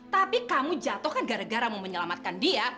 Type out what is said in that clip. tapi kamu jatuh kan gara gara mau menyelamatkan dia